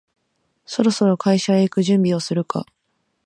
そろそろ会社へ行く準備をするか